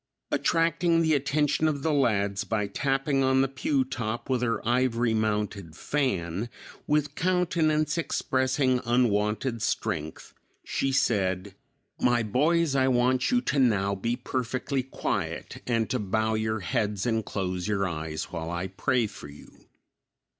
Attracting the attention of the lads by tapping on the pew top with her ivory mounted fan, with countenance expressing unwonted strength, she said, "My boys, I want you to now be perfectly quiet, and to bow your heads and close your eyes while I pray for you."